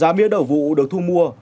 giá mía đầu vụ được thu mua